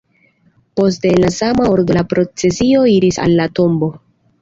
Poste en la sama ordo la procesio iris al la tombo.